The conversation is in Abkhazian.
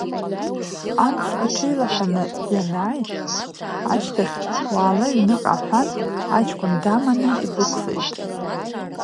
Анс аҽеилаҳәаны ианааи ашьҭахь, уаала аҩныҟа, — аҳәан, аҷкәын даманы идәықәлеит.